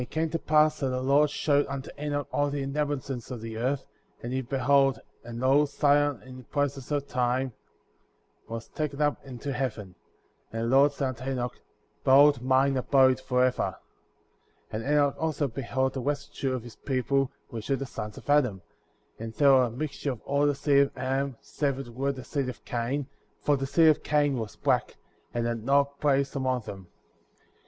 And it came to pass that the Lord showed unto Enoch all the inhabitants of the earth f and he beheld, and lo, Zion, in process of time, was taken up into heaven. And the Lord said unto Enoch: Behold mine abode forever. 22. And Enoch also beheld the residue of the people which were the sons of Adam ; and they were a mixture of all the seed of Adam save it were the seed of Cain, for the seed of Cain were black, and had not place among them.